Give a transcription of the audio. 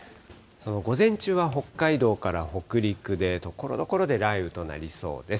午前中は北海道から北陸でところどころで雷雨となりそうです。